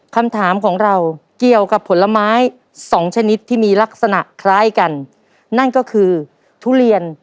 คำถามของเราเกี่ยวกับผลไม้สองชนิดที่มีลักษณะคล้ายกันนั่นก็คือทุเรียน